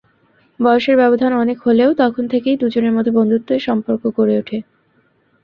বয়সের ব্যবধান অনেক হলেও তখন থেকেই দুজনের মধ্যে বন্ধুত্বের সম্পর্ক গড়ে ওঠে।